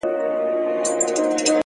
نه ښېرا نه کوم هغه څومره نازک زړه لري”